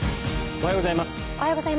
おはようございます。